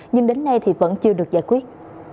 nhưng đến nay thì vẫn chưa được giải quyết